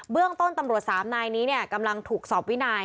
เรื่องต้นตำรวจ๓นายนี้กำลังถูกสอบวินัย